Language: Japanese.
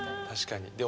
確かに。